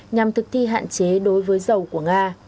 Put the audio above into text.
nhằm thực thi hạn chế đối với dầu của nga